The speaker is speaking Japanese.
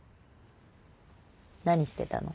何してたの？